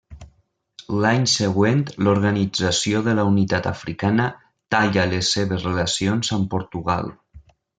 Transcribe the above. L'any següent, l'Organització de la Unitat Africana talla les seves relacions amb Portugal.